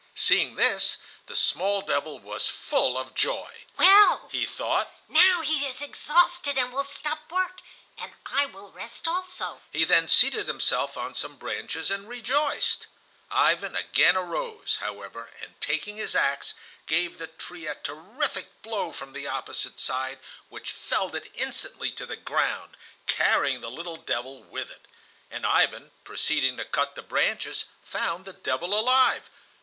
Seeing this, the small devil was full of joy. "Well," he thought, "now he is exhausted and will stop work, and I will rest also." He then seated himself on some branches and rejoiced. Ivan again arose, however, and, taking his axe, gave the tree a terrific blow from the opposite side, which felled it instantly to the ground, carrying the little devil with it; and Ivan, proceeding to cut the branches, found the devil alive.